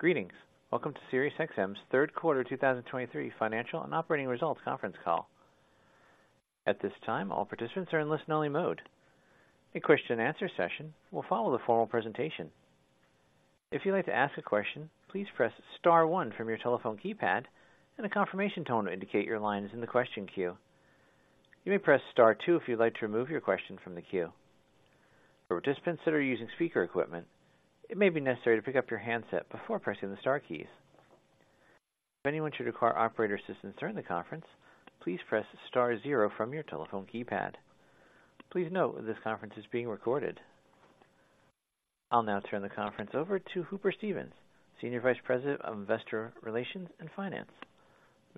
Greetings. Welcome to SiriusXM's Third Quarter 2023 Financial and Operating Results Conference Call. At this time, all participants are in listen-only mode. A question-and-answer session will follow the formal presentation. If you'd like to ask a question, please press star one from your telephone keypad, and a confirmation tone will indicate your line is in the question queue. You may press star two if you'd like to remove your question from the queue. For participants that are using speaker equipment, it may be necessary to pick up your handset before pressing the star keys. If anyone should require operator assistance during the conference, please press star zero from your telephone keypad. Please note, this conference is being recorded. I'll now turn the conference over to Hooper Stevens, Senior Vice President of Investor Relations and Finance.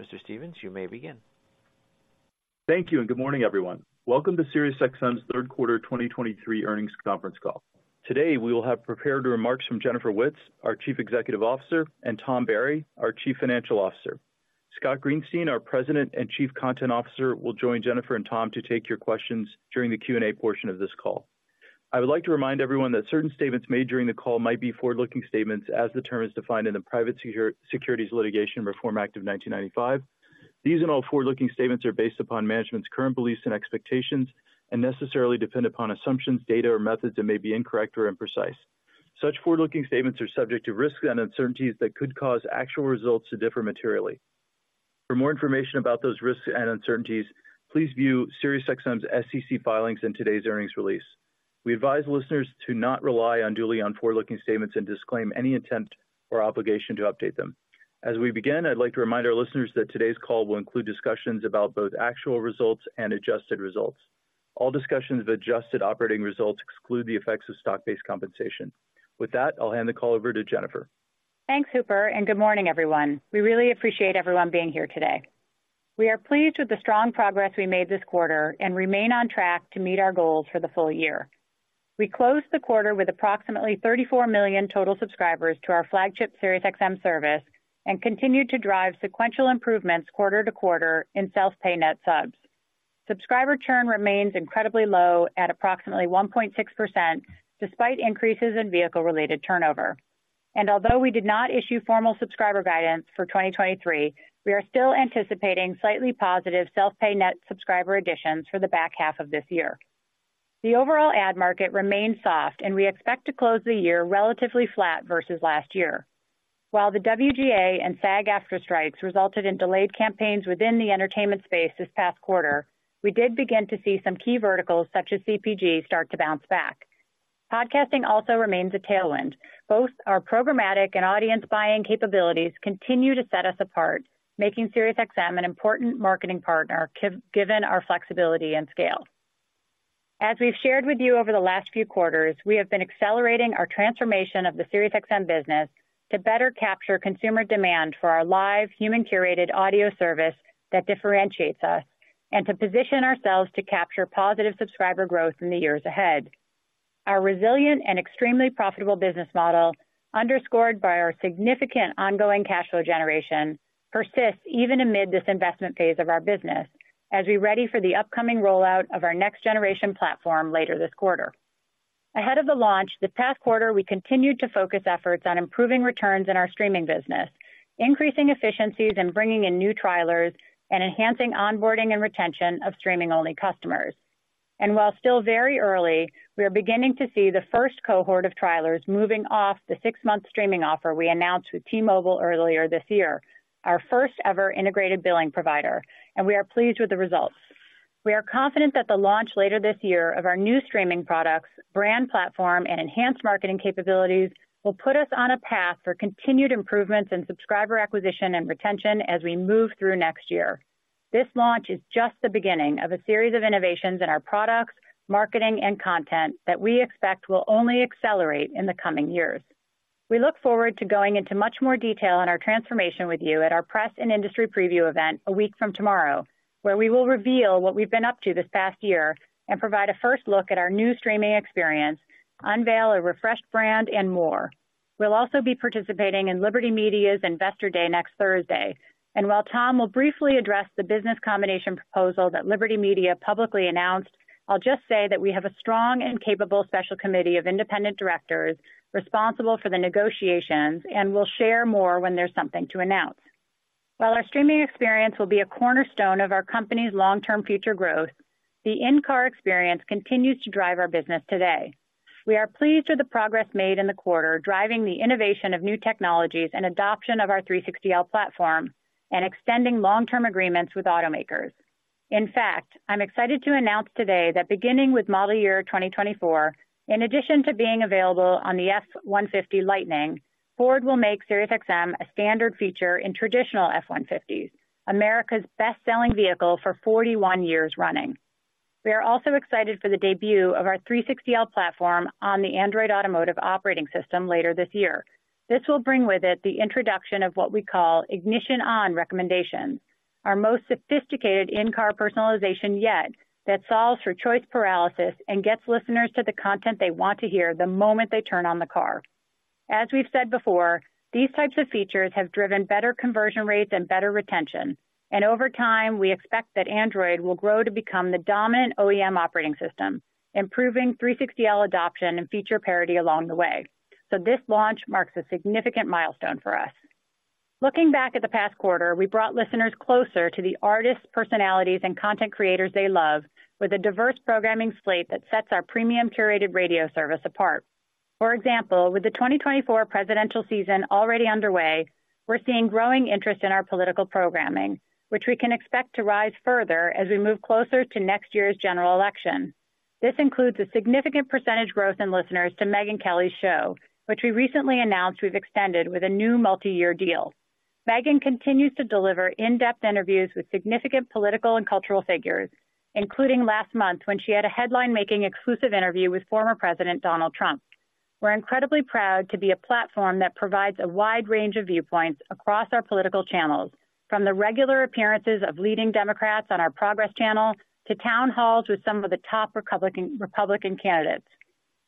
Mr. Stevens, you may begin. Thank you, and good morning, everyone. Welcome to SiriusXM's third quarter 2023 earnings conference call. Today, we will have prepared remarks from Jennifer Witz, our Chief Executive Officer, and Tom Barry, our Chief Financial Officer. Scott Greenstein, our President and Chief Content Officer, will join Jennifer and Tom to take your questions during the Q&A portion of this call. I would like to remind everyone that certain statements made during the call might be forward-looking statements, as the term is defined in the Private Securities Litigation Reform Act of 1995. These and all forward-looking statements are based upon management's current beliefs and expectations and necessarily depend upon assumptions, data, or methods that may be incorrect or imprecise. Such forward-looking statements are subject to risks and uncertainties that could cause actual results to differ materially. For more information about those risks and uncertainties, please view SiriusXM's SEC filings in today's earnings release. We advise listeners to not rely unduly on forward-looking statements and disclaim any intent or obligation to update them. As we begin, I'd like to remind our listeners that today's call will include discussions about both actual results and adjusted results. All discussions of adjusted operating results exclude the effects of stock-based compensation. With that, I'll hand the call over to Jennifer. Thanks, Hooper, and good morning, everyone. We really appreciate everyone being here today. We are pleased with the strong progress we made this quarter and remain on track to meet our goals for the full year. We closed the quarter with approximately 34 million total subscribers to our flagship SiriusXM service and continued to drive sequential improvements quarter to quarter in self-pay net subs. Subscriber churn remains incredibly low at approximately 1.6%, despite increases in vehicle-related turnover. Although we did not issue formal subscriber guidance for 2023, we are still anticipating slightly positive self-pay net subscriber additions for the back half of this year. The overall ad market remains soft, and we expect to close the year relatively flat versus last year. While the WGA and SAG-AFTRA strikes resulted in delayed campaigns within the entertainment space this past quarter, we did begin to see some key verticals, such as CPG, start to bounce back. Podcasting also remains a tailwind. Both our programmatic and audience buying capabilities continue to set us apart, making SiriusXM an important marketing partner, given our flexibility and scale. As we've shared with you over the last few quarters, we have been accelerating our transformation of the SiriusXM business to better capture consumer demand for our live, human-curated audio service that differentiates us and to position ourselves to capture positive subscriber growth in the years ahead. Our resilient and extremely profitable business model, underscored by our significant ongoing cash flow generation, persists even amid this investment phase of our business as we ready for the upcoming rollout of our next-generation platform later this quarter. Ahead of the launch, this past quarter, we continued to focus efforts on improving returns in our streaming business, increasing efficiencies and bringing in new trialers and enhancing onboarding and retention of streaming-only customers. And while still very early, we are beginning to see the first cohort of trialers moving off the six-month streaming offer we announced with T-Mobile earlier this year, our first-ever integrated billing provider, and we are pleased with the results. We are confident that the launch later this year of our new streaming products, brand platform, and enhanced marketing capabilities will put us on a path for continued improvements in subscriber acquisition and retention as we move through next year. This launch is just the beginning of a series of innovations in our products, marketing, and content that we expect will only accelerate in the coming years. We look forward to going into much more detail on our transformation with you at our press and industry preview event a week from tomorrow, where we will reveal what we've been up to this past year and provide a first look at our new streaming experience, unveil a refreshed brand, and more. We'll also be participating in Liberty Media's Investor Day next Thursday, and while Tom will briefly address the business combination proposal that Liberty Media publicly announced, I'll just say that we have a strong and capable special committee of independent directors responsible for the negotiations and will share more when there's something to announce. While our streaming experience will be a cornerstone of our company's long-term future growth, the in-car experience continues to drive our business today. We are pleased with the progress made in the quarter, driving the innovation of new technologies and adoption of our 360L platform and extending long-term agreements with automakers. In fact, I'm excited to announce today that beginning with model year 2024, in addition to being available on the F-150 Lightning, Ford will make SiriusXM a standard feature in traditional F-150s, America's best-selling vehicle for 41 years running. We are also excited for the debut of our 360L platform on the Android Automotive Operating System later this year. This will bring with it the introduction of what we call Ignition on Recommendations, our most sophisticated in-car personalization yet that solves for choice paralysis and gets listeners to the content they want to hear the moment they turn on the car. As we've said before, these types of features have driven better conversion rates and better retention, and over time, we expect that Android will grow to become the dominant OEM operating system, improving 360L adoption and feature parity along the way. So this launch marks a significant milestone for us. Looking back at the past quarter, we brought listeners closer to the artists, personalities, and content creators they love, with a diverse programming slate that sets our premium curated radio service apart. For example, with the 2024 presidential season already underway, we're seeing growing interest in our political programming, which we can expect to rise further as we move closer to next year's general election. This includes a significant percentage growth in listeners to Megyn Kelly's show, which we recently announced we've extended with a new multiyear deal. Megyn continues to deliver in-depth interviews with significant political and cultural figures, including last month, when she had a headline-making exclusive interview with former President Donald Trump. We're incredibly proud to be a platform that provides a wide range of viewpoints across our political channels, from the regular appearances of leading Democrats on our Progress channel, to town halls with some of the top Republican, Republican candidates.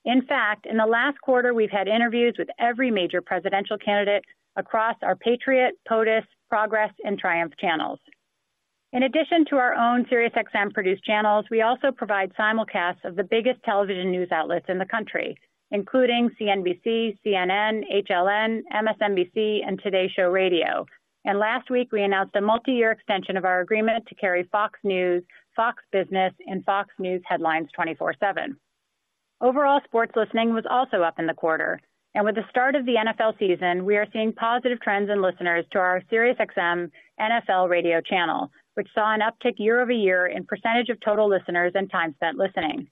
In fact, in the last quarter, we've had interviews with every major presidential candidate across our Patriot, POTUS, Progress and Triumph channels. In addition to our own SiriusXM-produced channels, we also provide simulcasts of the biggest television news outlets in the country, including CNBC, CNN, HLN, MSNBC, and Today Show Radio. Last week, we announced a multiyear extension of our agreement to carry Fox News, Fox Business, and Fox News Headlines 24/7. Overall, sports listening was also up in the quarter, and with the start of the NFL season, we are seeing positive trends in listeners to our SiriusXM NFL Radio channel, which saw an uptick year over year in percentage of total listeners and time spent listening.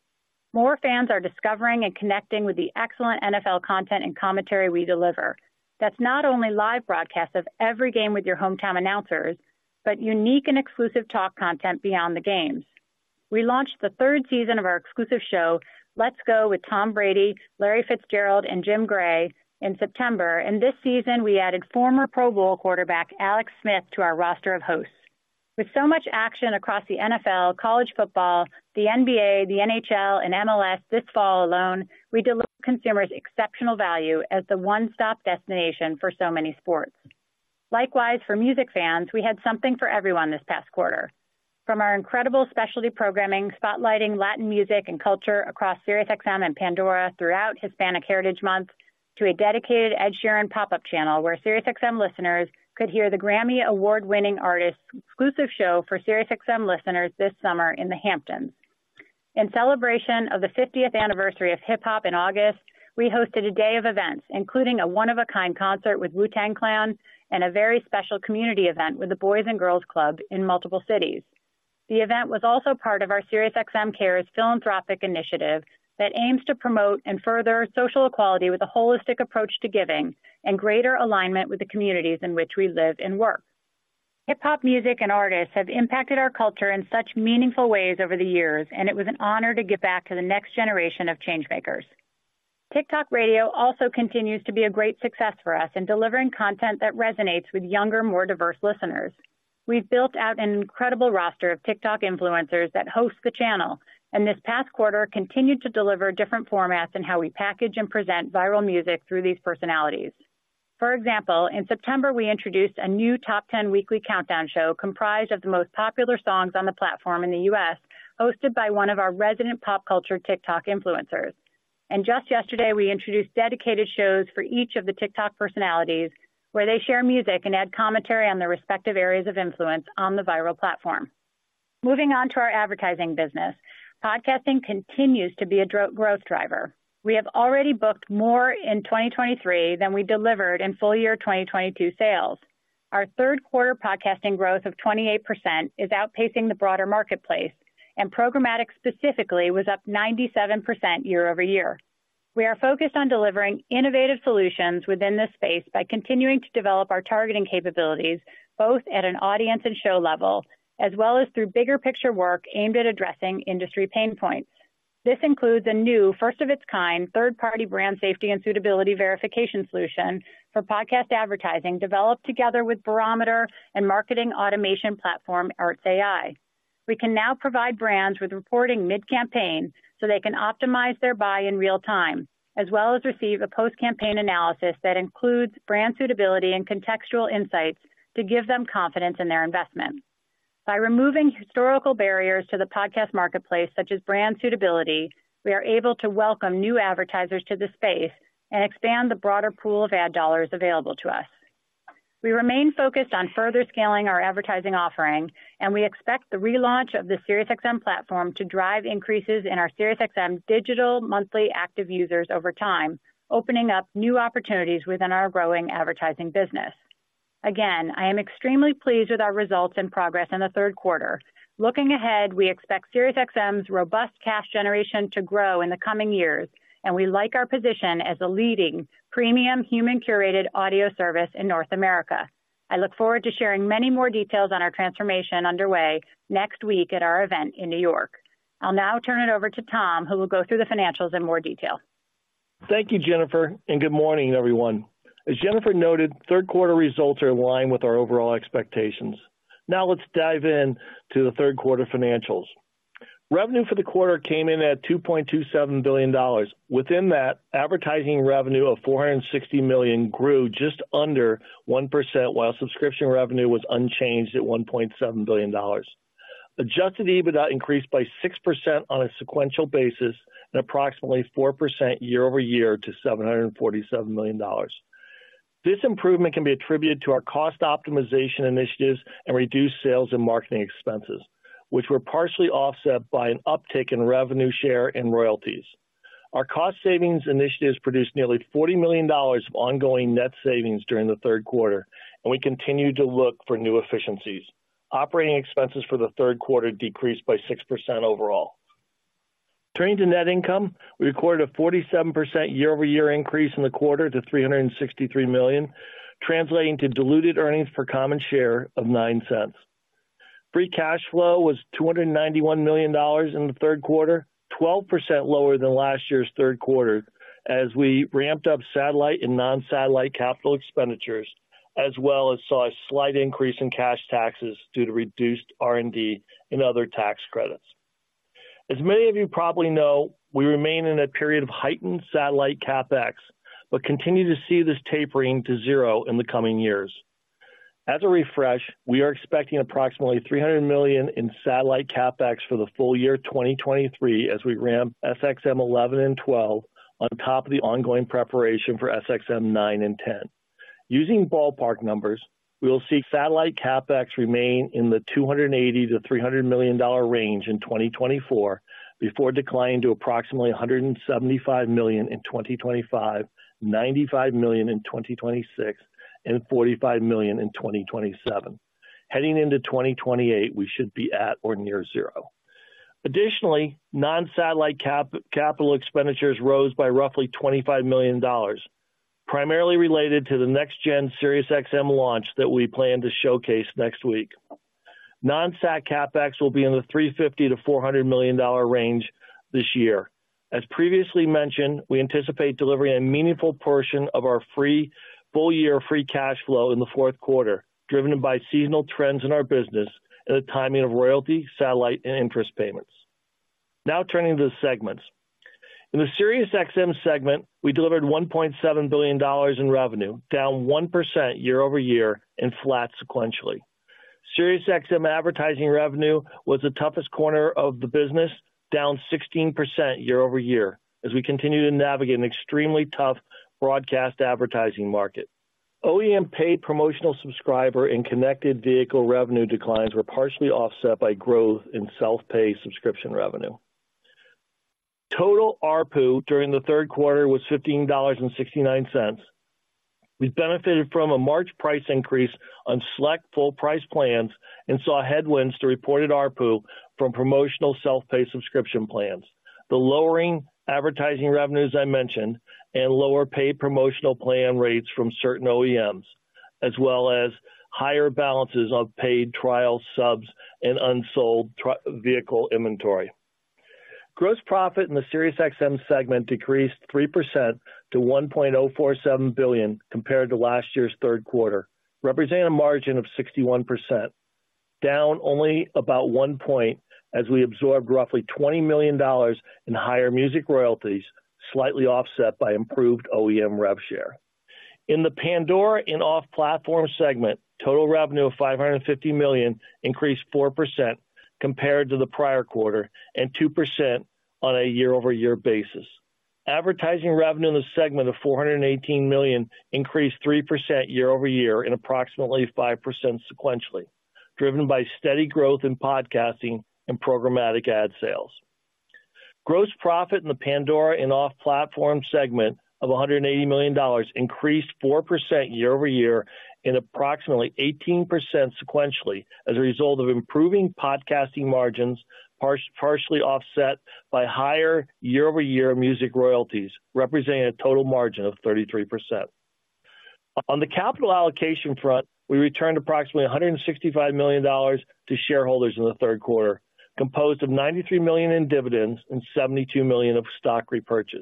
More fans are discovering and connecting with the excellent NFL content and commentary we deliver. That's not only live broadcasts of every game with your hometown announcers, but unique and exclusive talk content beyond the games. We launched the third season of our exclusive show, Let's Go with Tom Brady, Larry Fitzgerald, and Jim Gray in September, and this season we added former Pro Bowl quarterback Alex Smith to our roster of hosts. With so much action across the NFL, college football, the NBA, the NHL, and MLS this fall alone, we deliver consumers exceptional value as the one-stop destination for so many sports. Likewise, for music fans, we had something for everyone this past quarter. From our incredible specialty programming, spotlighting Latin music and culture across SiriusXM and Pandora throughout Hispanic Heritage Month, to a dedicated Ed Sheeran pop-up channel, where SiriusXM listeners could hear the Grammy Award-winning artist's exclusive show for SiriusXM listeners this summer in the Hamptons. In celebration of the 50th anniversary of hip-hop in August, we hosted a day of events, including a one-of-a-kind concert with Wu-Tang Clan and a very special community event with the Boys and Girls Club in multiple cities. The event was also part of our SiriusXM Cares philanthropic initiative that aims to promote and further social equality with a holistic approach to giving and greater alignment with the communities in which we live and work. Hip-hop music and artists have impacted our culture in such meaningful ways over the years, and it was an honor to give back to the next generation of changemakers. TikTok Radio also continues to be a great success for us in delivering content that resonates with younger, more diverse listeners. We've built out an incredible roster of TikTok influencers that host the channel, and this past quarter continued to deliver different formats in how we package and present viral music through these personalities. For example, in September, we introduced a new top 10 weekly countdown show comprised of the most popular songs on the platform in the U.S., hosted by one of our resident pop culture TikTok influencers. Just yesterday, we introduced dedicated shows for each of the TikTok personalities, where they share music and add commentary on their respective areas of influence on the viral platform. Moving on to our advertising business, podcasting continues to be a strong growth driver. We have already booked more in 2023 than we delivered in full year 2022 sales. Our third quarter podcasting growth of 28% is outpacing the broader marketplace, and programmatic specifically was up 97% year-over-year. We are focused on delivering innovative solutions within this space by continuing to develop our targeting capabilities, both at an audience and show level, as well as through bigger picture work aimed at addressing industry pain points. This includes a new, first-of-its-kind, third-party brand safety and suitability verification solution for podcast advertising, developed together with Barometer and marketing automation platform ArtsAI. We can now provide brands with reporting mid-campaign so they can optimize their buy in real time, as well as receive a post-campaign analysis that includes brand suitability and contextual insights to give them confidence in their investment. By removing historical barriers to the podcast marketplace, such as brand suitability, we are able to welcome new advertisers to the space and expand the broader pool of ad dollars available to us. We remain focused on further scaling our advertising offering, and we expect the relaunch of the SiriusXM platform to drive increases in our SiriusXM digital monthly active users over time, opening up new opportunities within our growing advertising business. Again, I am extremely pleased with our results and progress in the third quarter. Looking ahead, we expect SiriusXM's robust cash generation to grow in the coming years, and we like our position as a leading premium human-curated audio service in North America. I look forward to sharing many more details on our transformation underway next week at our event in New York. I'll now turn it over to Tom, who will go through the financials in more detail. Thank you, Jennifer, and good morning, everyone. As Jennifer noted, third quarter results are in line with our overall expectations. Now, let's dive in to the third quarter financials. Revenue for the quarter came in at $2.27 billion. Within that, advertising revenue of $460 million grew just under 1%, while subscription revenue was unchanged at $1.7 billion. Adjusted EBITDA increased by 6% on a sequential basis and approximately 4% year-over-year to $747 million. This improvement can be attributed to our cost optimization initiatives and reduced sales and marketing expenses, which were partially offset by an uptick in revenue share and royalties. Our cost savings initiatives produced nearly $40 million of ongoing net savings during the third quarter, and we continue to look for new efficiencies. Operating expenses for the third quarter decreased by 6% overall. Turning to net income, we recorded a 47% year-over-year increase in the quarter to $363 million, translating to diluted earnings per common share of $0.09. Free cash flow was $291 million in the third quarter, 12% lower than last year's third quarter, as we ramped up satellite and non-satellite capital expenditures, as well as saw a slight increase in cash taxes due to reduced R&D and other tax credits. As many of you probably know, we remain in a period of heightened satellite CapEx, but continue to see this tapering to zero in the coming years. As a refresh, we are expecting approximately $300 million in satellite CapEx for the full year 2023 as we ramp SXM-11 and SXM-12 on top of the ongoing preparation for SXM-9 and SXM-10. Using ballpark numbers, we will see satellite CapEx remain in the $280-$300 million range in 2024, before declining to approximately $175 million in 2025, $95 million in 2026, and $45 million in 2027. Heading into 2028, we should be at or near zero. Additionally, non-satellite capital expenditures rose by roughly $25 million, primarily related to the next-gen SiriusXM launch that we plan to showcase next week. Non-sat CapEx will be in the $350-$400 million range this year. As previously mentioned, we anticipate delivering a meaningful portion of our full-year free cash flow in the fourth quarter, driven by seasonal trends in our business and the timing of royalty, satellite and interest payments. Now turning to the segments. In the SiriusXM segment, we delivered $1.7 billion in revenue, down 1% year-over-year and flat sequentially. SiriusXM advertising revenue was the toughest corner of the business, down 16% year-over-year, as we continue to navigate an extremely tough broadcast advertising market. OEM paid promotional subscriber and connected vehicle revenue declines were partially offset by growth in self-pay subscription revenue. Total ARPU during the third quarter was $15.69. We benefited from a March price increase on select full price plans and saw headwinds to reported ARPU from promotional self-pay subscription plans. The lowering advertising revenues I mentioned, and lower paid promotional plan rates from certain OEMs, as well as higher balances of paid trial subs and unsold vehicle inventory. Gross profit in the SiriusXM segment decreased 3% to $1.047 billion compared to last year's third quarter, representing a margin of 61%, down only about 1 point as we absorbed roughly $20 million in higher music royalties, slightly offset by improved OEM rev share. In the Pandora and off-platform segment, total revenue of $550 million increased 4% compared to the prior quarter and 2% on a year-over-year basis. Advertising revenue in the segment of $418 million increased 3% year-over-year and approximately 5% sequentially, driven by steady growth in podcasting and programmatic ad sales. Gross profit in the Pandora and off-platform segment of $180 million increased 4% year-over-year and approximately 18% sequentially, as a result of improving podcasting margins, partially offset by higher year-over-year music royalties, representing a total margin of 33%. On the capital allocation front, we returned approximately $165 million to shareholders in the third quarter, composed of $93 million in dividends and $72 million of stock repurchase.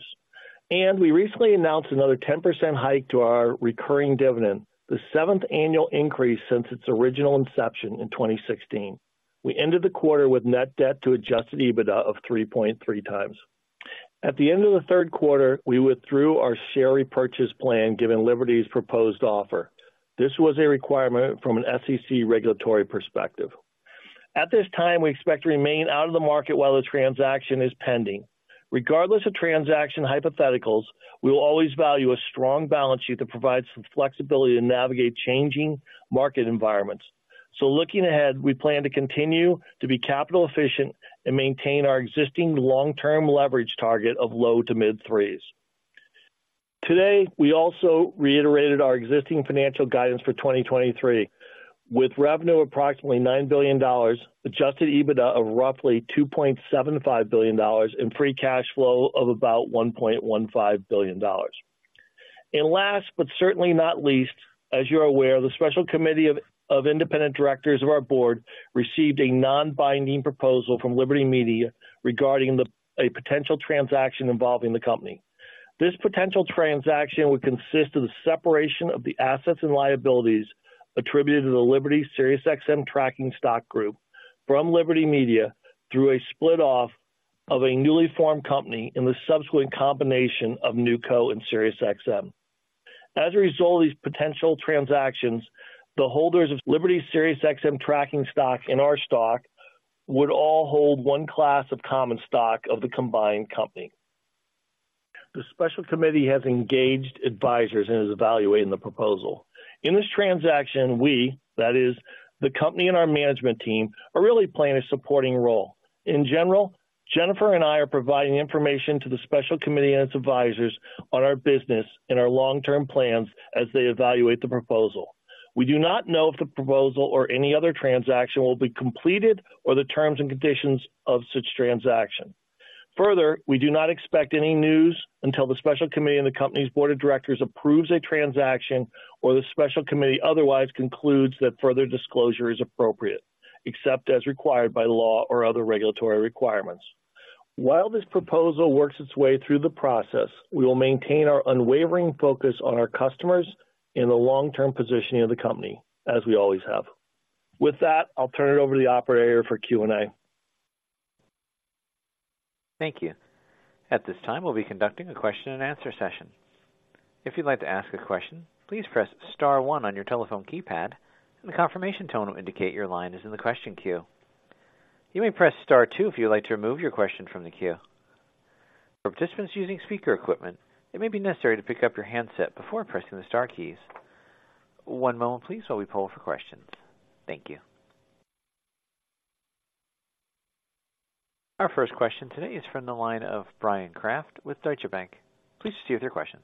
And we recently announced another 10% hike to our recurring dividend, the seventh annual increase since its original inception in 2016. We ended the quarter with net debt to adjusted EBITDA of 3.3 times. At the end of the third quarter, we withdrew our share repurchase plan given Liberty's proposed offer. This was a requirement from an SEC regulatory perspective. At this time, we expect to remain out of the market while the transaction is pending. Regardless of transaction hypotheticals, we will always value a strong balance sheet that provides some flexibility to navigate changing market environments. So looking ahead, we plan to continue to be capital efficient and maintain our existing long-term leverage target of low to mid threes. Today, we also reiterated our existing financial guidance for 2023, with revenue approximately $9 billion, Adjusted EBITDA of roughly $2.75 billion, and Free Cash Flow of about $1.15 billion. And last, but certainly not least, as you're aware, the special committee of independent directors of our board received a non-binding proposal from Liberty Media regarding a potential transaction involving the company. This potential transaction would consist of the separation of the assets and liabilities attributed to the Liberty SiriusXM Tracking Stock Group from Liberty Media through a split off of a newly formed company and the subsequent combination of NewCo and SiriusXM. As a result of these potential transactions, the holders of Liberty SiriusXM Tracking Stock and our stock would all hold one class of common stock of the combined company. The special committee has engaged advisors and is evaluating the proposal. In this transaction, we, that is, the company and our management team, are really playing a supporting role. In general, Jennifer and I are providing information to the special committee and its advisors on our business and our long-term plans as they evaluate the proposal. We do not know if the proposal or any other transaction will be completed or the terms and conditions of such transaction. Further, we do not expect any news until the special committee and the company's board of directors approves a transaction, or the special committee otherwise concludes that further disclosure is appropriate, except as required by law or other regulatory requirements. While this proposal works its way through the process, we will maintain our unwavering focus on our customers and the long-term positioning of the company, as we always have. With that, I'll turn it over to the operator for Q&A. Thank you. At this time, we'll be conducting a question-and-answer session. If you'd like to ask a question, please press star one on your telephone keypad, and a confirmation tone will indicate your line is in the question queue. You may press star two if you'd like to remove your question from the queue. For participants using speaker equipment, it may be necessary to pick up your handset before pressing the star keys. One moment, please, while we poll for questions. Thank you. Our first question today is from the line of Bryan Kraft with Deutsche Bank. Please proceed with your questions.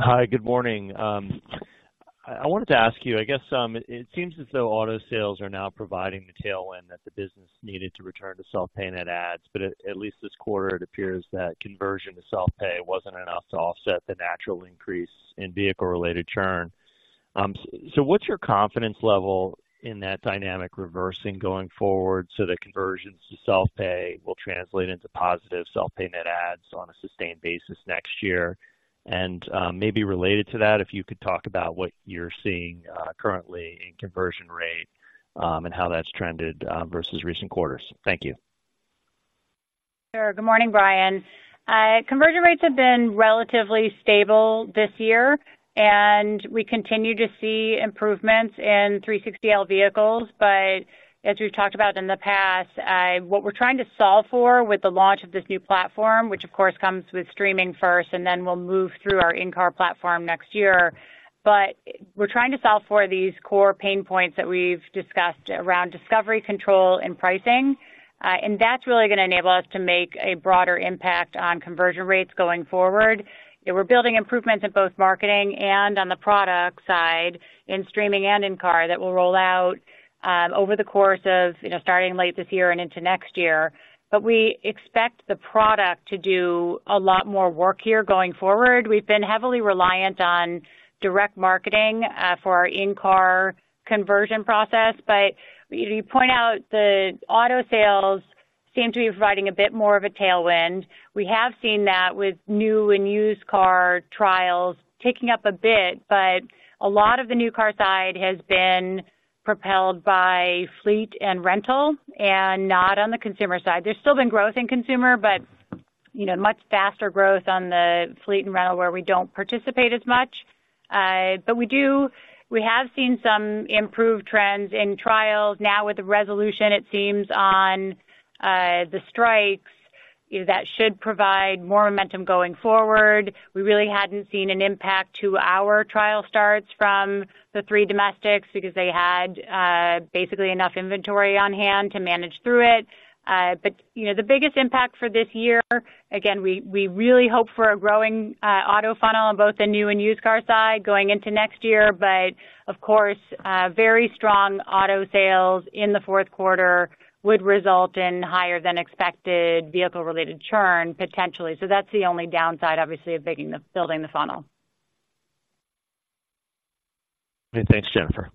Hi, good morning. I wanted to ask you, I guess, it seems as though auto sales are now providing the tailwind that the business needed to return to self-pay net adds, but at least this quarter, it appears that conversion to self-pay wasn't enough to offset the natural increase in vehicle-related churn. So what's your confidence level in that dynamic reversing going forward, so that conversions to self-pay will translate into positive self-pay net adds on a sustained basis next year? And, maybe related to that, if you could talk about what you're seeing, currently in conversion rate, and how that's trended, versus recent quarters. Thank you. Sure. Good morning, Bryan. Conversion rates have been relatively stable this year, and we continue to see improvements in 360L vehicles. But as we've talked about in the past, what we're trying to solve for with the launch of this new platform, which, of course, comes with streaming first, and then we'll move through our in-car platform next year. But we're trying to solve for these core pain points that we've discussed around discovery, control, and pricing. And that's really going to enable us to make a broader impact on conversion rates going forward. We're building improvements in both marketing and on the product side, in streaming and in-car, that will roll out over the course of, you know, starting late this year and into next year. But we expect the product to do a lot more work here going forward. We've been heavily reliant on direct marketing for our in-car conversion process, but you point out the auto sales seem to be providing a bit more of a tailwind. We have seen that with new and used car trials ticking up a bit, but a lot of the new car side has been propelled by fleet and rental and not on the consumer side. There's still been growth in consumer, but, you know, much faster growth on the fleet and rental, where we don't participate as much. But we do We have seen some improved trends in trials. Now, with the resolution, it seems on the strikes, you know, that should provide more momentum going forward. We really hadn't seen an impact to our trial starts from the three domestics because they had basically enough inventory on hand to manage through it. But, you know, the biggest impact for this year, again, we really hope for a growing auto funnel on both the new and used car side going into next year. But, of course, very strong auto sales in the fourth quarter would result in higher than expected vehicle-related churn, potentially. So that's the only downside, obviously, of building the funnel. Many thanks, Jennifer.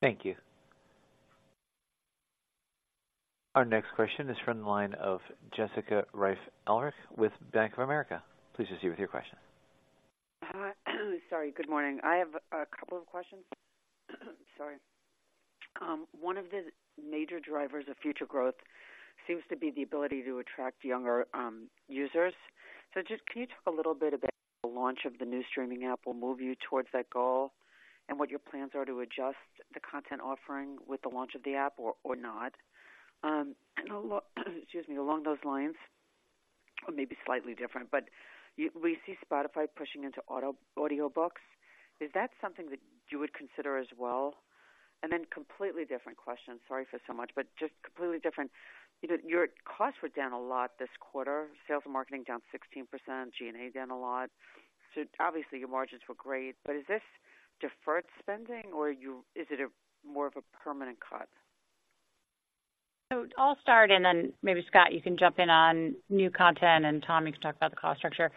Thank you. Our next question is from the line of Jessica Reif Ehrlich with Bank of America. Please proceed with your question. Sorry, good morning. I have a couple of questions. Sorry. One of the major drivers of future growth seems to be the ability to attract younger, users. So just, can you talk a little bit about the launch of the new streaming app will move you towards that goal, and what your plans are to adjust the content offering with the launch of the app or, or not? And a lot, excuse me, along those lines, or maybe slightly different, but we see Spotify pushing into audiobooks. Is that something that you would consider as well? And then completely different question. Sorry for so much, but just completely different. You know, your costs were down a lot this quarter. Sales and marketing down 16%, G&A down a lot. So obviously, your margins were great, but is this deferred spending, or is it more of a permanent cut? So I'll start, and then maybe, Scott, you can jump in on new content, and Tom, you can talk about the cost structure.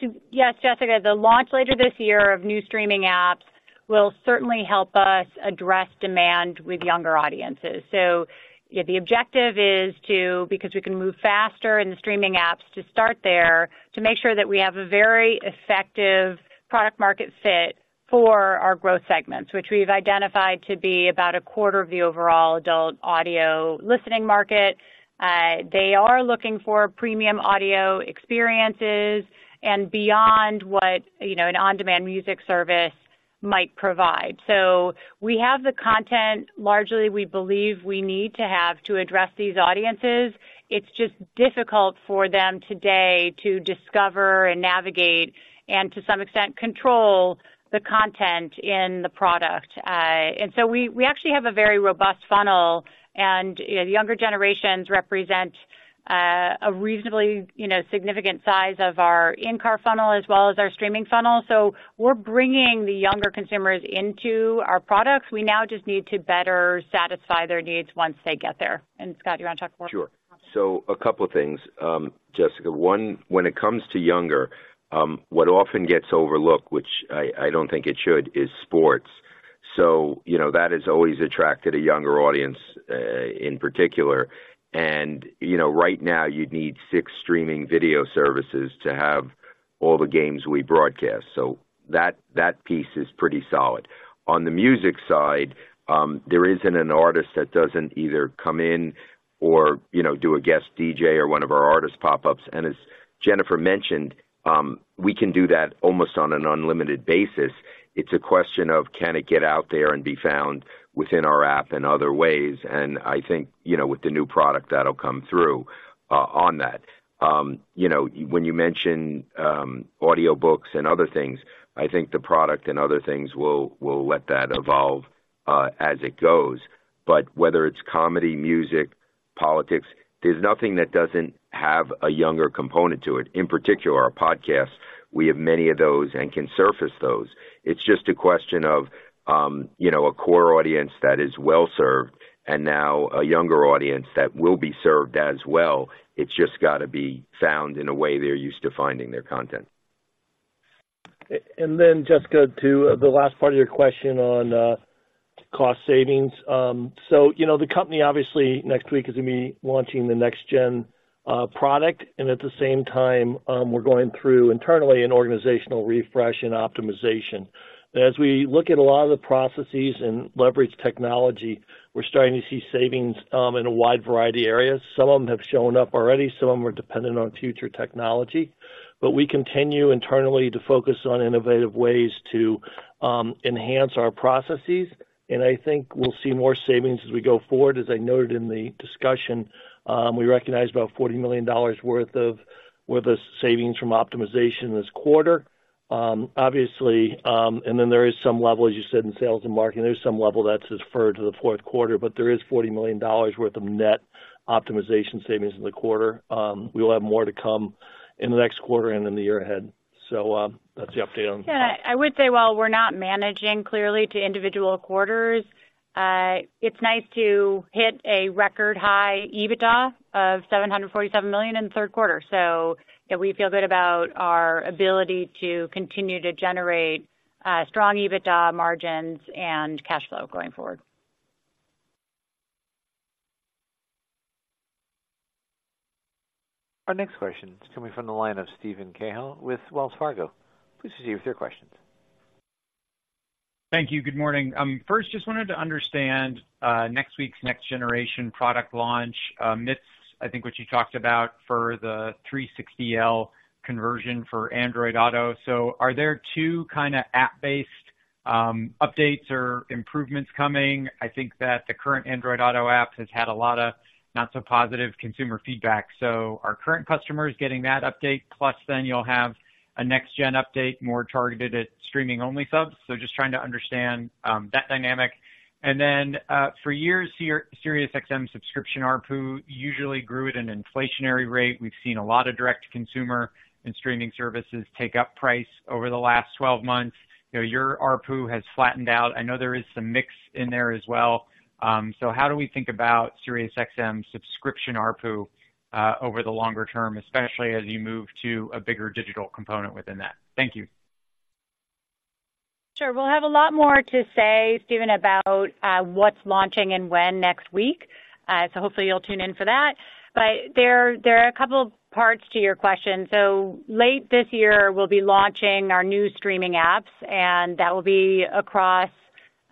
So yes, Jessica, the launch later this year of new streaming apps will certainly help us address demand with younger audiences. So the objective is to, because we can move faster in the streaming apps, to start there, to make sure that we have a very effective product-market fit for our growth segments, which we've identified to be about a quarter of the overall adult audio listening market. They are looking for premium audio experiences and beyond what, you know, an on-demand music service might provide. So we have the content largely, we believe we need to have to address these audiences. It's just difficult for them today to discover and navigate and to some extent, control the content in the product. and so we actually have a very robust funnel, and you know, the younger generations represent a reasonably, you know, significant size of our in-car funnel as well as our streaming funnel. So we're bringing the younger consumers into our products. We now just need to better satisfy their needs once they get there. And Scott, you want to talk more? Sure. So a couple of things, Jessica. One, when it comes to younger, what often gets overlooked, which I don't think it should, is sports. So you know, that has always attracted a younger audience, in particular. And, you know, right now, you'd need six streaming video services to have all the games we broadcast, so that piece is pretty solid. On the music side, there isn't an artist that doesn't either come in or, you know, do a guest DJ or one of our artist pop-ups. And as Jennifer mentioned, we can do that almost on an unlimited basis. It's a question of can it get out there and be found within our app in other ways? And I think, you know, with the new product, that'll come through, on that. You know, when you mention audiobooks and other things, I think the product and other things will let that evolve as it goes. But whether it's comedy, music, politics, there's nothing that doesn't have a younger component to it. In particular, our podcasts. We have many of those and can surface those. It's just a question of, you know, a core audience that is well-served and now a younger audience that will be served as well. It's just got to be found in a way they're used to finding their content. Jessica, to the last part of your question on cost savings. So you know, the company obviously next week is going to be launching the next-gen product, and at the same time, we're going through internally an organizational refresh and optimization. As we look at a lot of the processes and leverage technology, we're starting to see savings in a wide variety of areas. Some of them have shown up already, some of them are dependent on future technology. But we continue internally to focus on innovative ways to enhance our processes, and I think we'll see more savings as we go forward. As I noted in the discussion, we recognized about $40 million worth of savings from optimization this quarter. Obviously, and then there is some level, as you said, in sales and marketing, there's some level that's deferred to the fourth quarter, but there is $40 million worth of net optimization savings in the quarter. We will have more to come in the next quarter and in the year ahead. So, that's the update on- Yeah, I would say, while we're not managing clearly to individual quarters, it's nice to hit a record-high EBITDA of $747 million in the third quarter. So yeah, we feel good about our ability to continue to generate, strong EBITDA margins and cash flow going forward. Our next question is coming from the line of Steven Cahall with Wells Fargo. Please proceed with your questions. Thank you. Good morning. First, just wanted to understand next week's next generation product launch. Jennifer, I think what you talked about for the 360L conversion for Android Auto. So are there two kind of app-based updates or improvements coming? I think that the current Android Auto app has had a lot of not so positive consumer feedback, so are current customers getting that update, plus then you'll have a next-gen update, more targeted at streaming-only subs. So just trying to understand that dynamic. And then for years, SiriusXM subscription ARPU usually grew at an inflationary rate. We've seen a lot of direct-to-consumer and streaming services take up price over the last 12 months. You know, your ARPU has flattened out. I know there is some mix in there as well. How do we think about SiriusXM subscription ARPU over the longer term, especially as you move to a bigger digital component within that? Thank you. Sure. We'll have a lot more to say, Steven, about what's launching and when next week. So hopefully you'll tune in for that. But there are a couple of parts to your question. So late this year, we'll be launching our new streaming apps, and that will be across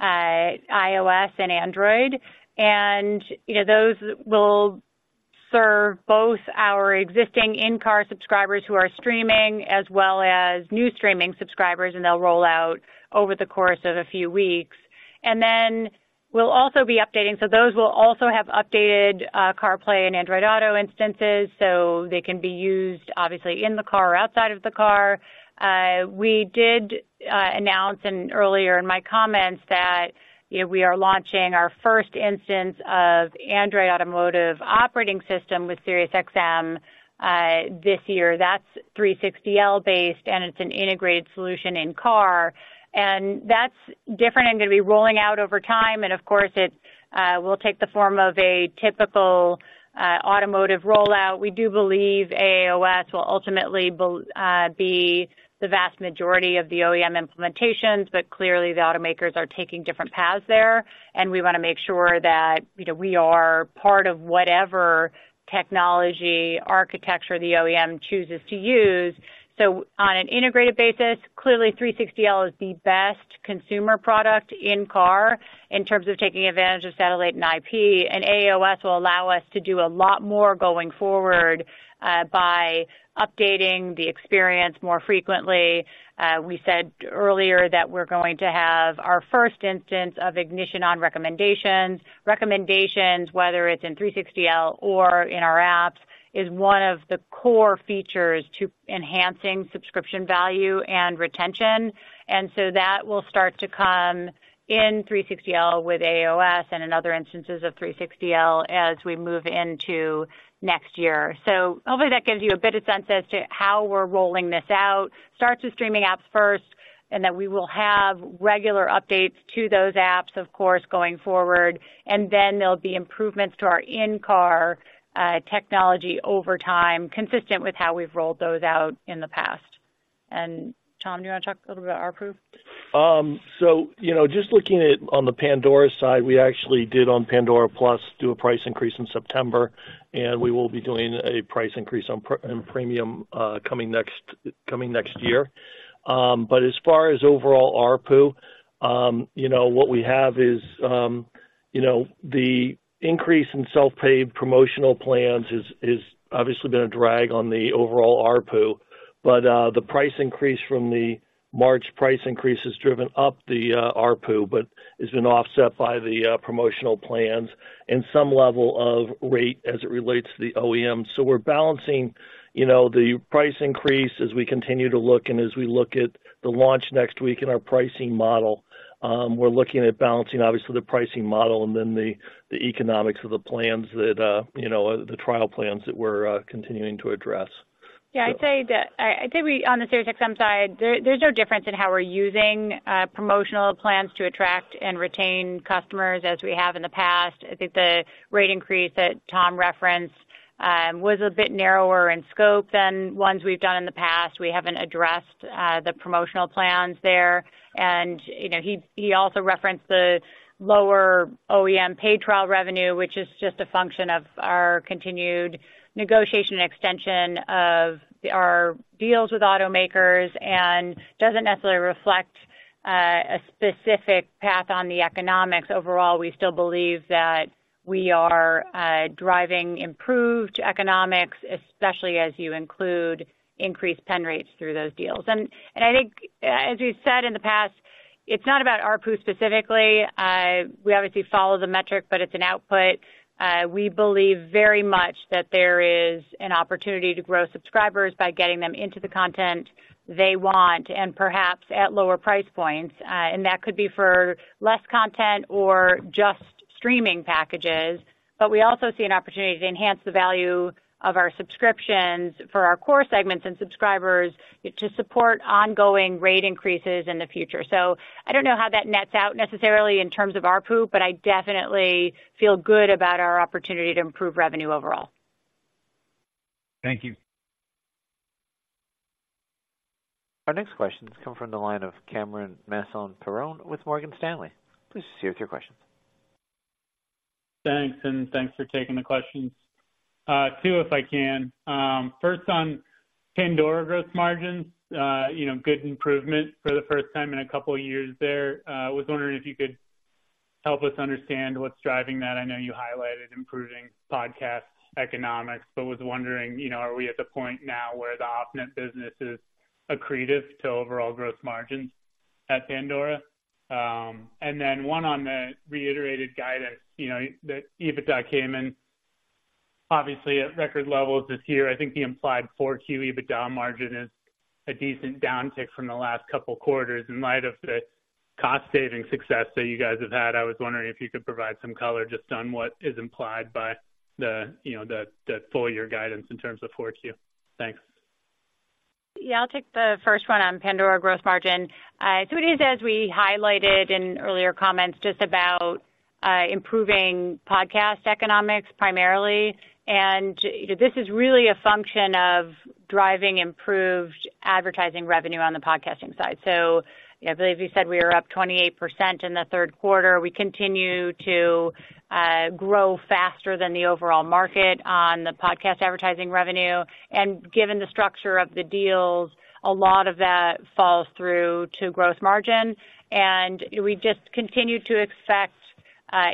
iOS and Android. And, you know, those will serve both our existing in-car subscribers who are streaming, as well as new streaming subscribers, and they'll roll out over the course of a few weeks. And then we'll also be updating. So those will also have updated CarPlay and Android Auto instances, so they can be used, obviously, in the car or outside of the car. We did announce earlier in my comments that, you know, we are launching our first instance of Android Automotive Operating System with SiriusXM this year. That's 360L-based, and it's an integrated solution in-car, and that's different and going to be rolling out over time. And of course, it will take the form of a typical automotive rollout. We do believe AAOS will ultimately be the vast majority of the OEM implementations, but clearly the automakers are taking different paths there, and we want to make sure that, you know, we are part of whatever technology architecture the OEM chooses to use. So on an integrated basis, clearly 360L is the best consumer product in-car in terms of taking advantage of satellite and IP, and AAOS will allow us to do a lot more going forward by updating the experience more frequently. We said earlier that we're going to have our first instance of ignition-on recommendations. Recommendations, whether it's in 360L or in our apps, is one of the core features to enhancing subscription value and retention. And so that will start to come in 360L with AAOS and in other instances of 360L as we move into next year. So hopefully that gives you a bit of sense as to how we're rolling this out. Starts with streaming apps first, and then we will have regular updates to those apps, of course, going forward. And then there'll be improvements to our in-car technology over time, consistent with how we've rolled those out in the past, and Tom, do you want to talk a little bit about ARPU? So, you know, just looking at on the Pandora side, we actually did on Pandora Plus do a price increase in September, and we will be doing a price increase on in Premium coming next year. But as far as overall ARPU, you know, what we have is, you know, the increase in self-pay promotional plans is obviously been a drag on the overall ARPU, but the price increase from the March price increase has driven up the ARPU, but it's been offset by the promotional plans and some level of rate as it relates to the OEM. So we're balancing, you know, the price increase as we continue to look and as we look at the launch next week and our pricing model. We're looking at balancing obviously, the pricing model and then the, the economics of the plans that, you know, the trial plans that we're continuing to address. Yeah, I'd say that, I'd say we, on the SiriusXM side, there's no difference in how we're using promotional plans to attract and retain customers as we have in the past. I think the rate increase that Tom referenced was a bit narrower in scope than ones we've done in the past. We haven't addressed the promotional plans there. You know, he also referenced the lower OEM paid trial revenue, which is just a function of our continued negotiation and extension of our deals with automakers, and doesn't necessarily reflect a specific path on the economics. Overall, we still believe that we are driving improved economics, especially as you include increased pen rates through those deals. And I think, as we've said in the past, it's not about ARPU specifically. We obviously follow the metric, but it's an output. We believe very much that there is an opportunity to grow subscribers by getting them into the content they want, and perhaps at lower price points. And that could be for less content or just streaming packages. But we also see an opportunity to enhance the value of our subscriptions for our core segments and subscribers to support ongoing rate increases in the future. So I don't know how that nets out necessarily in terms of ARPU, but I definitely feel good about our opportunity to improve revenue overall. Thank you. Our next question comes from the line of Cameron Mansson-Perrone with Morgan Stanley. Please proceed with your questions. Thanks, and thanks for taking the questions. Two, if I can. First on Pandora gross margins. You know, good improvement for the first time in a couple of years there. Was wondering if you could help us understand what's driving that. I know you highlighted improving podcast economics, but was wondering, you know, are we at the point now where the OPNET business is accretive to overall gross margins at Pandora? And then one on the reiterated guidance, you know, that EBITDA came in obviously at record levels this year. I think the implied 4Q EBITDA margin is a decent downtick from the last couple quarters. In light of the cost-saving success that you guys have had, I was wondering if you could provide some color just on what is implied by the, you know, the full year guidance in terms of Q4. Thanks. Yeah, I'll take the first one on Pandora gross margin. So it is, as we highlighted in earlier comments, just about improving podcast economics primarily. And this is really a function of driving improved advertising revenue on the podcasting side. So I believe you said we were up 28% in the third quarter. We continue to grow faster than the overall market on the podcast advertising revenue, and given the structure of the deals, a lot of that falls through to gross margin, and we just continue to expect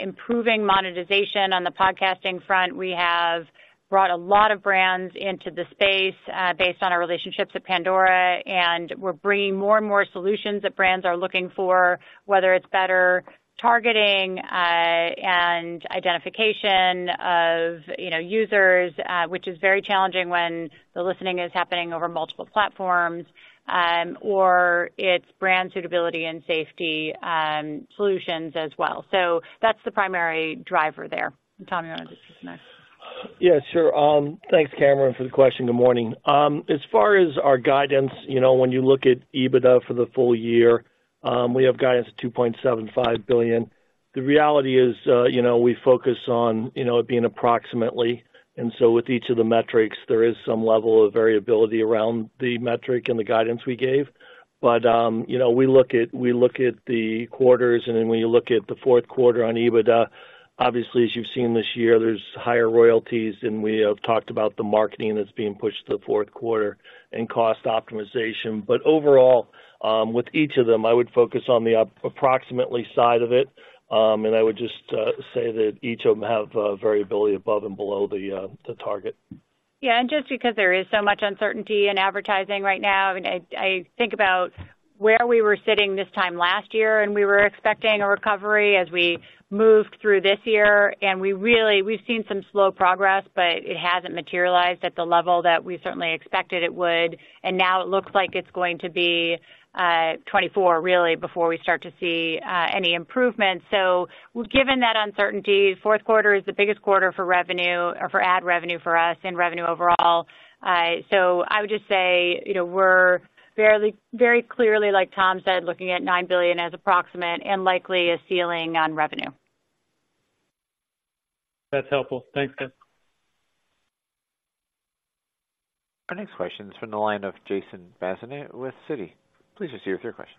improving monetization. On the podcasting front, we have brought a lot of brands into the space, based on our relationships at Pandora, and we're bringing more and more solutions that brands are looking for, whether it's better targeting and identification of, you know, users, which is very challenging when the listening is happening over multiple platforms, or it's brand suitability and safety solutions as well. So that's the primary driver there. Tom, you want to do this next? Yeah, sure. Thanks, Cameron, for the question. Good morning. As far as our guidance, you know, when you look at EBITDA for the full year, we have guidance of $2.75 billion. The reality is, you know, we focus on, you know, it being approximately, and so with each of the metrics, there is some level of variability around the metric and the guidance we gave. But, you know, we look at, we look at the quarters, and then when you look at the fourth quarter on EBITDA, obviously, as you've seen this year, there's higher royalties, and we have talked about the marketing that's being pushed to the fourth quarter and cost optimization. But overall, with each of them, I would focus on the approximately side of it. I would just say that each of them have a variability above and below the target. Yeah, and just because there is so much uncertainty in advertising right now, and I think about where we were sitting this time last year, and we were expecting a recovery as we moved through this year, and we've seen some slow progress, but it hasn't materialized at the level that we certainly expected it would. And now it looks like it's going to be 2024, really, before we start to see any improvement. So given that uncertainty, fourth quarter is the biggest quarter for revenue or for ad revenue for us and revenue overall. So I would just say, you know, we're fairly, very clearly, like Tom said, looking at $9 billion as approximate and likely a ceiling on revenue. That's helpful. Thanks, guys. Our next question is from the line of Jason Bazinet with Citi. Please proceed with your question.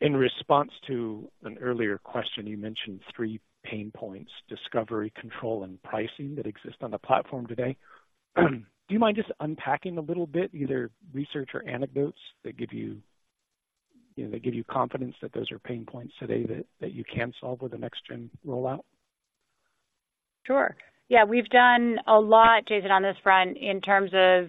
In response to an earlier question, you mentioned three pain points: discovery, control, and pricing that exist on the platform today. Do you mind just unpacking a little bit, either research or anecdotes that give you, you know, that give you confidence that those are pain points today, that you can solve with the next-gen rollout? Sure. Yeah, we've done a lot, Jason, on this front, in terms of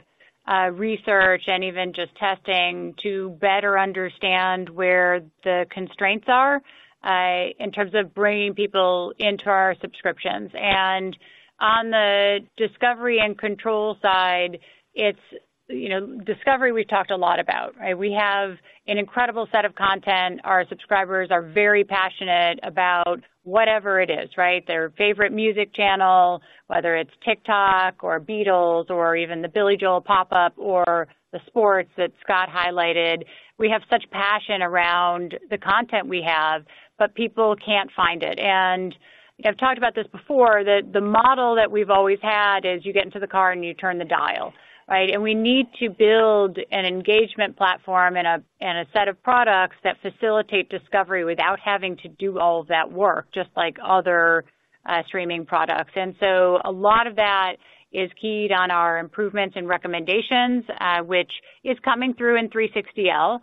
research and even just testing to better understand where the constraints are in terms of bringing people into our subscriptions. And on the discovery and control side, it's, you know, discovery, we've talked a lot about, right? We have an incredible set of content. Our subscribers are very passionate about whatever it is, right? Their favorite music channel, whether it's TikTok or Beatles or even the Billy Joel pop-up or the sports that Scott highlighted. We have such passion around the content we have, but people can't find it. And I've talked about this before, that the model that we've always had is you get into the car, and you turn the dial, right? And we need to build an engagement platform and a, and a set of products that facilitate discovery without having to do all of that work, just like other streaming products. And so a lot of that is keyed on our improvements and recommendations, which is coming through in 360L,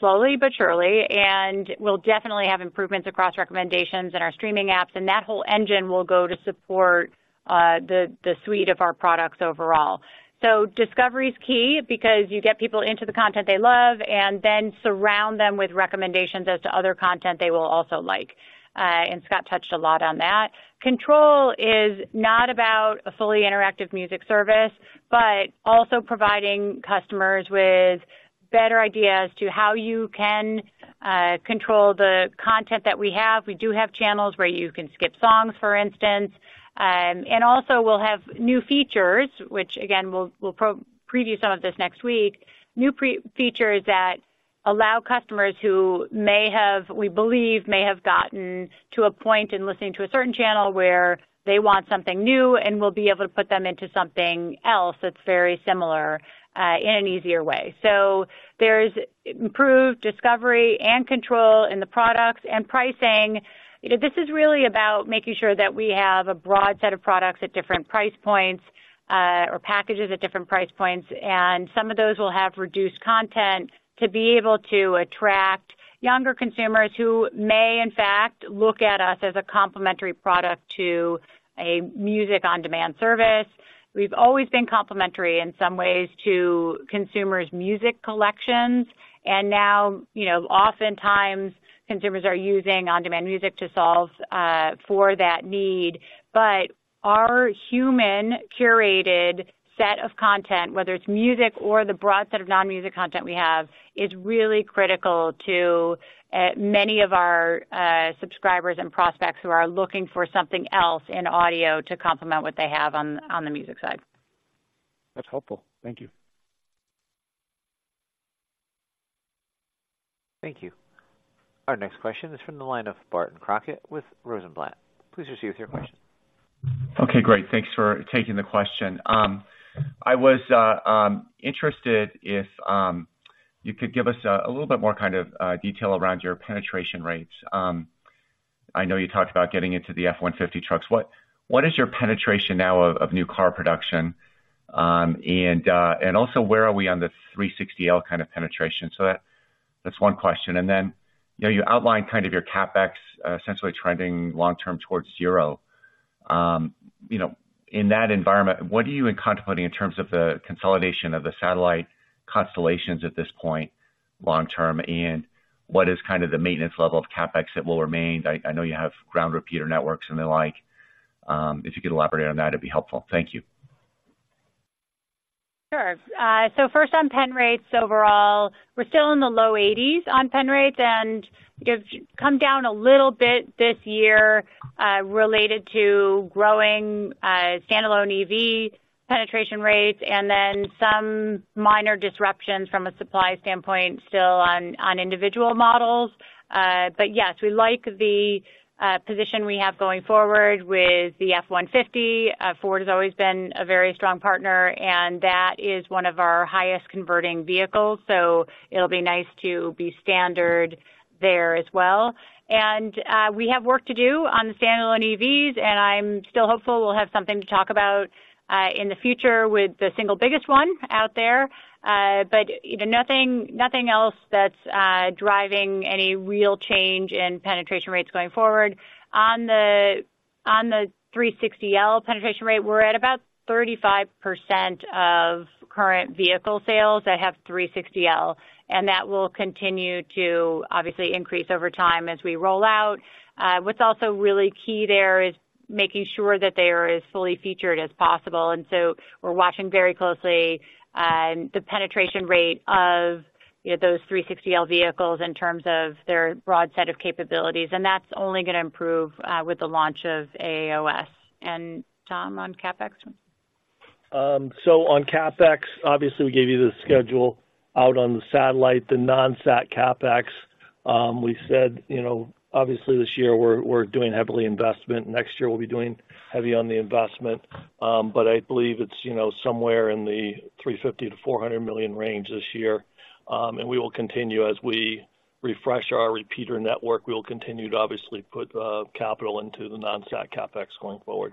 slowly but surely, and we'll definitely have improvements across recommendations in our streaming apps, and that whole engine will go to support the suite of our products overall. So discovery is key because you get people into the content they love and then surround them with recommendations as to other content they will also like, and Scott touched a lot on that. Control is not about a fully interactive music service, but also providing customers with better ideas to how you can control the content that we have. We do have channels where you can skip songs, for instance. And also we'll have new features, which again, we'll preview some of this next week. New features that allow customers who may have, we believe, may have gotten to a point in listening to a certain channel where they want something new, and we'll be able to put them into something else that's very similar in an easier way. So there's improved discovery and control in the products and pricing. You know, this is really about making sure that we have a broad set of products at different price points or packages at different price points, and some of those will have reduced content to be able to attract younger consumers who may, in fact, look at us as a complementary product to a music-on-demand service. We've always been complementary in some ways to consumers' music collections, and now, you know, oftentimes consumers are using on-demand music to solve for that need. But our human-curated set of content, whether it's music or the broad set of non-music content we have, is really critical to many of our subscribers and prospects who are looking for something else in audio to complement what they have on the music side. That's helpful. Thank you. Thank you. Our next question is from the line of Barton Crockett with Rosenblatt. Please proceed with your question. Okay, great. Thanks for taking the question. I was interested if you could give us a little bit more kind of detail around your penetration rates. I know you talked about getting into the F-150 trucks. What is your penetration now of new car production? And also, where are we on the 360L kind of penetration? So that's one question. And then, you know, you outlined kind of your CapEx essentially trending long term towards zero. You know, in that environment, what are you even contemplating in terms of the consolidation of the satellite constellations at this point, long term, and what is kind of the maintenance level of CapEx that will remain? I know you have ground repeater networks and the like. If you could elaborate on that, it'd be helpful. Thank you. Sure. So first on pen rates overall, we're still in the low 80s on pen rates and have come down a little bit this year, related to growing standalone EV penetration rates and then some minor disruptions from a supply standpoint, still on individual models. But yes, we like the position we have going forward with the F-150. Ford has always been a very strong partner, and that is one of our highest converting vehicles, so it'll be nice to be standard there as well. And we have work to do on the standalone EVs, and I'm still hopeful we'll have something to talk about in the future with the single biggest one out there. But you know, nothing else that's driving any real change in penetration rates going forward. On the 360L penetration rate, we're at about 35% of current vehicle sales that have 360L, and that will continue to obviously increase over time as we roll out. What's also really key there is making sure that they are as fully featured as possible, and so we're watching very closely the penetration rate of, you know, those 360L vehicles in terms of their broad set of capabilities. And that's only going to improve with the launch of AAOS. And Tom, on CapEx? So on CapEx, obviously, we gave you the schedule out on the satellite, the non-sat CapEx. We said, you know, obviously, this year we're doing heavily investment. Next year, we'll be doing heavy on the investment, but I believe it's, you know, somewhere in the $350 million-$400 million range this year. And we will continue as we refresh our repeater network, we will continue to obviously put capital into the non-sat CapEx going forward.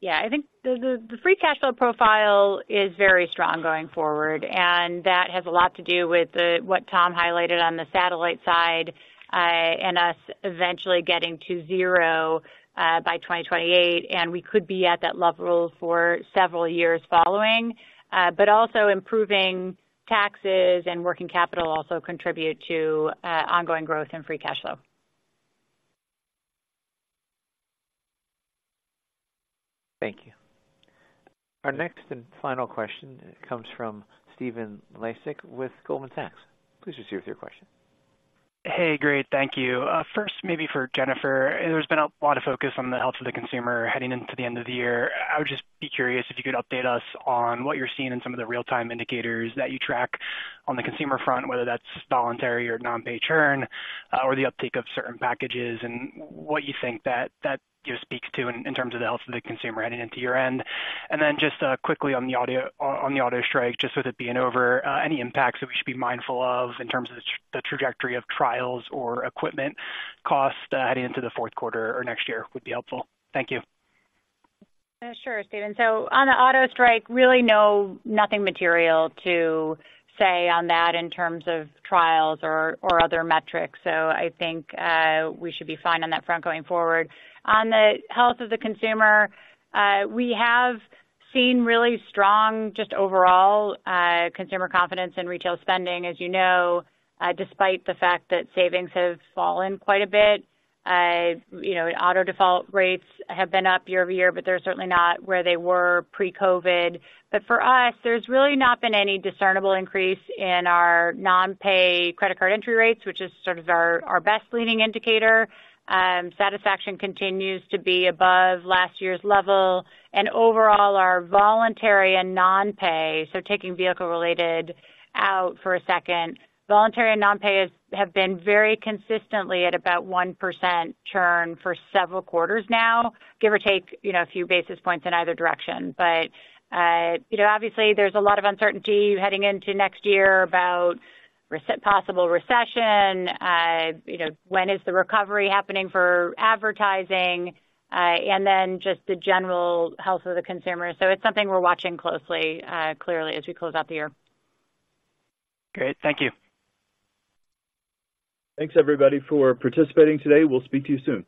Yeah, I think the free cash flow profile is very strong going forward, and that has a lot to do with what Tom highlighted on the satellite side, and us eventually getting to zero by 2028, and we could be at that level for several years following. But also improving taxes and working capital also contribute to ongoing growth and free cash flow. Thank you. Our next and final question comes from Stephen Laszczyk with Goldman Sachs. Please proceed with your question. Hey, great. Thank you. First, maybe for Jennifer, there's been a lot of focus on the health of the consumer heading into the end of the year. I would just be curious if you could update us on what you're seeing in some of the real-time indicators that you track on the consumer front, whether that's voluntary or non-pay churn, or the uptake of certain packages, and what you think that speaks to in terms of the health of the consumer heading into year-end. And then just quickly on the auto strike, just with it being over, any impacts that we should be mindful of in terms of the trajectory of trials or equipment costs, heading into the fourth quarter or next year would be helpful. Thank you. Sure, Stephen. So on the auto strike, really nothing material to say on that in terms of trials or other metrics. So I think we should be fine on that front going forward. On the health of the consumer, we have seen really strong, just overall, consumer confidence in retail spending, as you know, despite the fact that savings have fallen quite a bit. You know, auto default rates have been up year-over-year, but they're certainly not where they were pre-COVID. But for us, there's really not been any discernible increase in our non-pay credit card entry rates, which is sort of our best leading indicator. Satisfaction continues to be above last year's level, and overall, our voluntary and non-pay, so taking vehicle-related out for a second, voluntary and non-pay have been very consistently at about 1% churn for several quarters now, give or take, you know, a few basis points in either direction. But, you know, obviously, there's a lot of uncertainty heading into next year about possible recession, you know, when is the recovery happening for advertising, and then just the general health of the consumer. So it's something we're watching closely, clearly, as we close out the year. Great. Thank you. Thanks, everybody, for participating today. We'll speak to you soon.